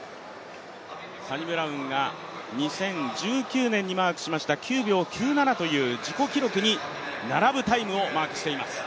サニブラウンが２０１９年にマークしました９秒９７という自己記録に並ぶタイムをマークしています。